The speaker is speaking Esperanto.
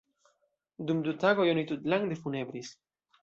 Dum du tagoj oni tutlande funebris.